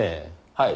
はい。